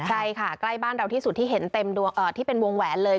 ใช่ค่ะใกล้บ้านเราที่สุดที่เห็นเต็มที่เป็นวงแหวนเลย